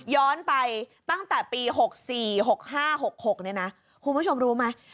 ย้อนไปตั้งแต่ปี๖๔๖๕๖๖เนี่ยนะคุณผู้ชมรู้ไหม